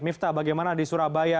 miftah bagaimana di surabaya